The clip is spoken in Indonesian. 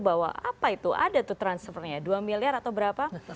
bahwa apa itu ada tuh transfernya dua miliar atau berapa